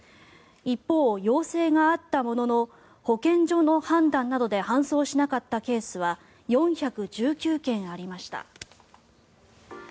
一方、要請があったものの保健所の判断などで搬送しなかったケースは４１９件ありました。